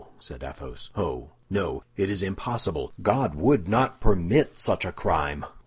said Athos, "oh, no, it is impossible! God would not permit such a crime!"